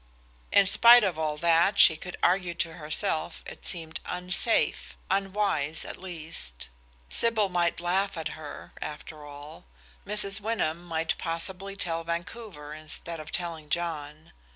In spite of all that she could argue to herself it seemed unsafe unwise, at least. Sybil might laugh at her, after all; Mrs. Wyndham might possibly tell Vancouver instead of telling John.